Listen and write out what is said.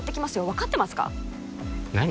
分かってますか何？